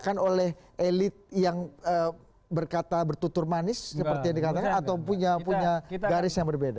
ada elit yang bertutur manis seperti yang dikatakan atau punya garis yang berbeda